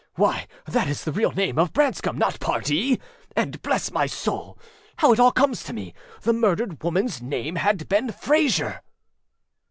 âWhy, that is the real name of Branscomânot Pardee. Andâbless my soul! how it all comes to meâthe murdered womanâs name had been Frayser!